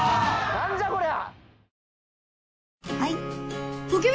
なんじゃこりゃ！